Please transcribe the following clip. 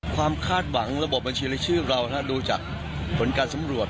ความคาดหวังระบบบัญชีและชื่อเราถ้าดูจากผลการสำรวจ